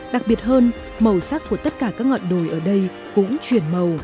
đặc biệt hơn màu sắc của tất cả các ngọn đồi ở đây cũng chuyển màu